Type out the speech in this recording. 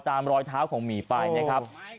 ตามรอยเท้าของหมี่ไปเนี่ยครับ